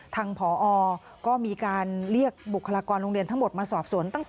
ทางผอก็มีการเรียกบุคลากรโรงเรียนทั้งหมดมาสอบสวน